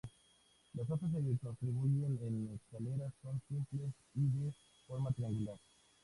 Las hojas se distribuyen en escalera, son simples y de forma triangular.